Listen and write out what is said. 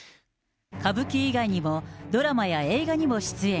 歌舞伎以外にも、ドラマや映画にも出演。